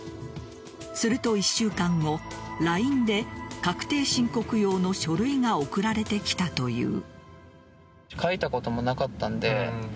すると、１週間後ＬＩＮＥで確定申告用の書類が送られてきたという。